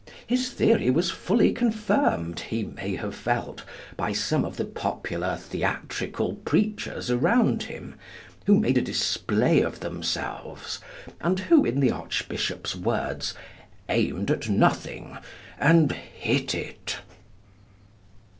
His theory was fully confirmed, he may have felt, by some of the popular theatrical preachers around him, who made a display of themselves, and who, in the Archbishop's words, 'aimed at nothing, and hit it.'